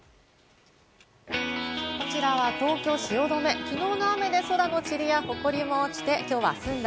こちらは東京・汐留、昨日の雨で空のチリやホコリも落ちて、今日は済んだ